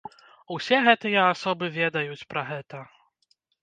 Усе гэтыя асобы ведаюць пра гэта.